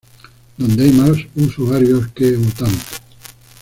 donde hay más usuarios que votantes